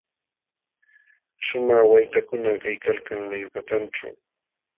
Śhumaq waytakuna kaykalkan mayu patanćhu.